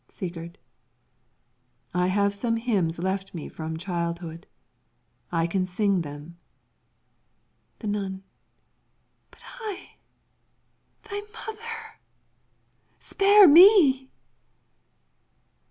Sigurd I have some hymns left me from childhood. I can sing them. The Nun But I thy mother spare me!